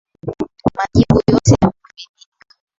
Majibu yote yamekamilika.